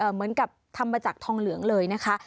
เหมือนกับทำมาจากทองเหลืองเลยนะคะ